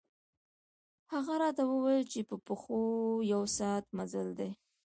هغه راته ووېل چې په پښو یو ساعت مزل دی.